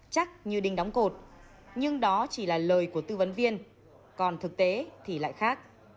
chắc như đinh đóng cột nhưng đó chỉ là lời của tư vấn viên còn thực tế thì lại khác